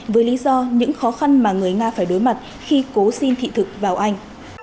với lý do những khó khăn mà người nga phải đối mặt khi cố xin thị thực vào anh